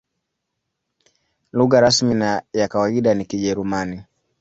Lugha rasmi na ya kawaida ni Kijerumani.